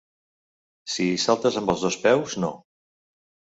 Si hi saltes amb els dos peus, no.